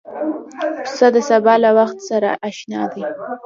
پسه د سبا له وخت سره اشنا دی.